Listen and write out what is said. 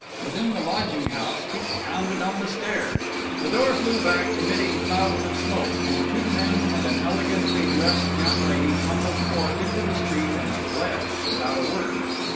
Within the lodging house feet pounded on the stairs; the door flew back, emitting clouds of smoke; and two men and an elegantly dressed young lady tumbled forth into the street and fled without a word.